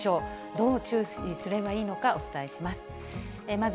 どう注意すればいいのかお伝えします。